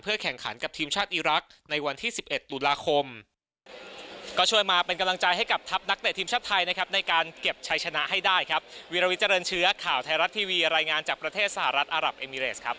แข่งขันกับทีมชาติอีรักษ์ในวันที่๑๑ตุลาคม